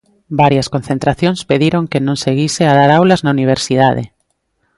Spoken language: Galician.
Varias concentracións pediron que non seguise a dar aulas na universidade.